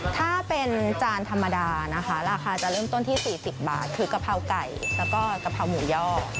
ถ้าเป็นจานธรรมดานะคะราคาจะเริ่มต้นที่๔๐บาทคือกะเพราไก่แล้วก็กะเพราหมูย่อ